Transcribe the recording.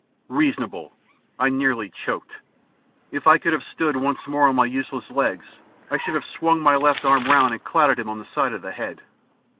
... Reasonable! I nearly choked. If I could have stood once more on my useless legs, I should have swung my left arm round and clouted him on the side of the head.